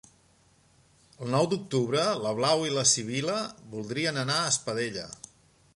El nou d'octubre na Blau i na Sibil·la voldrien anar a Espadella.